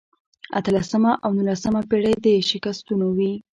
اتلسمه او نولسمه پېړۍ د شکستونو وې.